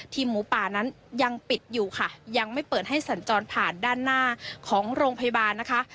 หมูป่านั้นยังปิดอยู่ค่ะยังไม่เปิดให้สัญจรผ่านด้านหน้าของโรงพยาบาลนะคะ